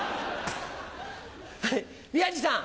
はい宮治さん。